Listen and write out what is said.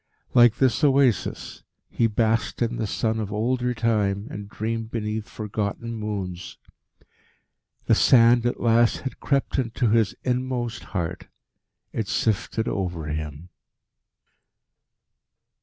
Like this oasis, he basked in the sun of older time, and dreamed beneath forgotten moons. The sand at last had crept into his inmost heart. It sifted over him.